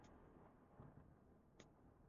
晚年赴法国定居。